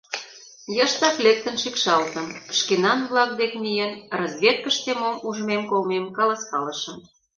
Йыштак лектын шикшалтым, шкенан-влак дек миен, разведкыште мом ужмем-колмем каласкалышым.